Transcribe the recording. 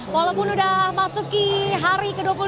walaupun sudah masuk ke hari ke dua puluh lima